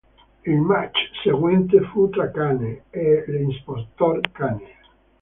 Il match seguente fu tra Kane e l'Impostor Kane.